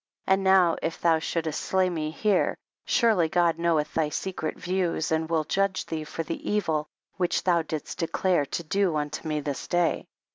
23. And now, if thou shouldst slay me here, surely God knoweth thy secret views, and will judge thee for the evil which thou didst declare to do unto me this day.